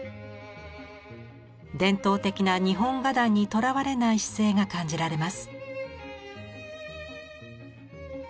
伝統的な日本画壇にとらわれない姿勢が感じられます。